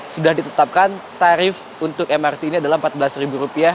sudah ditetapkan tarif untuk mrt ini adalah rp empat belas